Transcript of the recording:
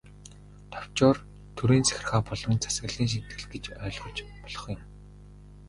Товчоор, төрийн захиргаа болон засаглалын шинэтгэл гэж ойлгож болох юм.